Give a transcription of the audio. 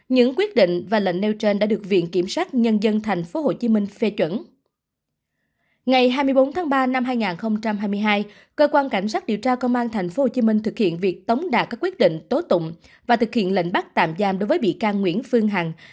cơ quan cảnh sát điều tra công an tp hcm đã ra quyết định khởi tố bị can lệnh khám xét và lệnh bắt bị can để tạm giam đối với nguyễn phương hằng